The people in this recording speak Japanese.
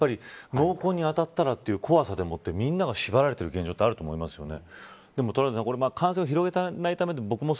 やっぱり濃厚に当たったらという怖さもあってみんなが縛られている現状あると思いますよね。